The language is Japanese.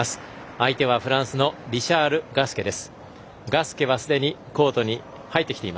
相手は、フランスのリシャール・ガスケです。